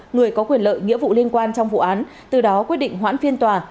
người có quyền lợi nghĩa vụ liên quan trong vụ án từ đó quyết định hoãn phiên tòa